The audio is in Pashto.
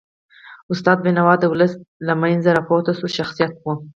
استاد بینوا د ولس له منځه راپورته سوی شخصیت و.